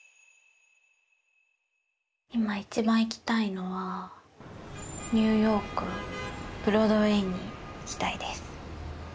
今一番行きたいのはニューヨークブロードウェイに行きたいです。